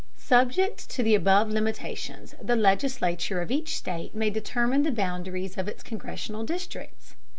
Subject to the above limitations the legislature of each state may determine the boundaries of its Congressional districts.